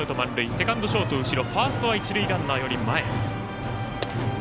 セカンド、ショート後ろファーストは一塁ランナーより前。